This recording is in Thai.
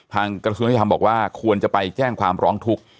กระทรวงยุทธรรมบอกว่าควรจะไปแจ้งความร้องทุกข์